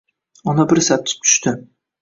Ona bir sapchib tushdi